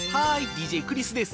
ＤＪクリスです。